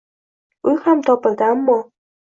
Uy ham topildi. Ammo: